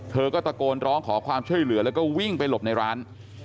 เธอก็ตะโกนร้องขอความช่วยเหลือแล้วก็วิ่งไปหลบในร้าน